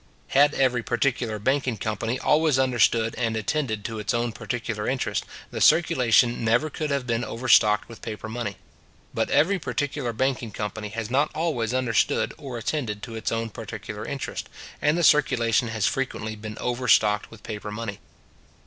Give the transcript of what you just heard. Had every particular banking company always understood and attended to its own particular interest, the circulation never could have been overstocked with paper money. But every particular banking company has not always understood or attended to its own particular interest, and the circulation has frequently been overstocked with paper money.